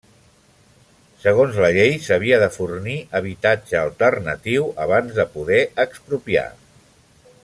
Segons la llei, s'havia de fornir habitatge alternatiu abans de poder expropiar.